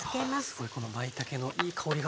すごいこのまいたけのいい香りが。